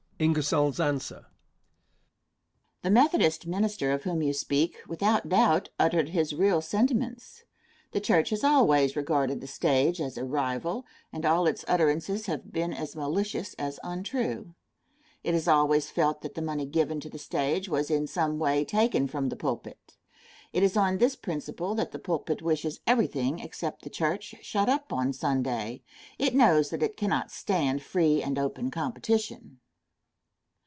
Answer. The Methodist minister of whom you speak, without doubt uttered his real sentiments. The church has always regarded the stage as a rival, and all its utterances have been as malicious as untrue. It has always felt that the money given to the stage was in some way taken from the pulpit. It is on this principle that the pulpit wishes everything, except the church, shut up on Sunday. It knows that it cannot stand free and open competition.